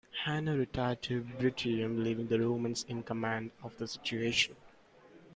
Hanno retired to Bruttium, leaving the Romans in command of the situation.